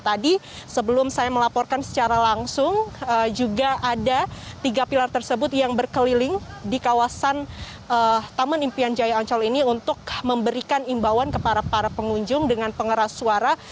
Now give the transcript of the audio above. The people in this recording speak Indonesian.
tadi sebelum saya melaporkan secara langsung juga ada tiga pilar tersebut yang berkeliling di kawasan taman impian jaya ancol ini untuk memberikan imbauan kepada para pengunjung dengan pengeras suara